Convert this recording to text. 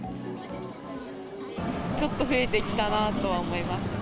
ちょっと増えてきたなとは思いますね。